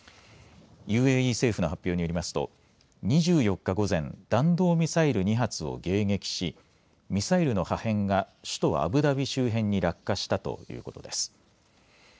ＵＡＥ政府の発表によりますと２４日午前弾道ミサイル２発を迎撃しミサイルの破片が首都アブダビ周辺に落下したということです。